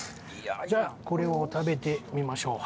これを食べてみましょう。